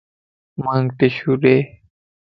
مانک ٽشو ڏي